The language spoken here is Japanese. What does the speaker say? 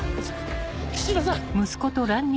菱田さん！